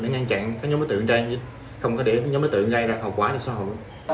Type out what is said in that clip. để ngăn chặn các nhóm đối tượng trên không có để nhóm đối tượng gây ra hậu quả cho xã hội